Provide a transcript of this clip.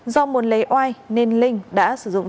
do muốn lấy oai nên linh đã sử dụng trong phục